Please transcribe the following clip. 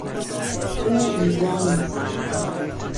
او اینجا نیست.